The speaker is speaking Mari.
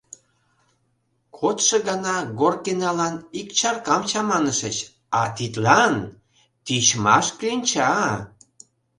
Кодшо гана Горкиналан ик чаркам чаманышыч, а тидлан — тичмаш кленча!